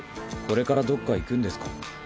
これからどっか行くんですか？